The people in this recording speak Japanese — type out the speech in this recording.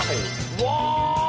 うわ。